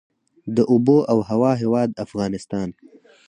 د اوبو او هوا هیواد افغانستان.